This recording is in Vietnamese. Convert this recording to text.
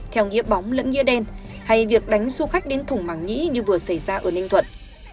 theo nghĩa bóng lẫn nghĩa đen hay việc đánh du khách đến thủng màng nhĩ như vừa xảy ra ở ninh thuận